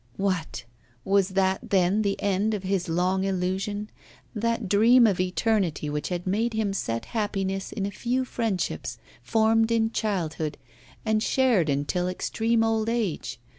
What! was that, then, the end of his long illusion, that dream of eternity which had made him set happiness in a few friendships, formed in childhood, and shared until extreme old age?